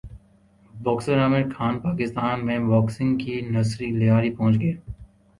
boxer Aamir Khan Pakistan میں boxing کی nursery Lyari پہنچ گئے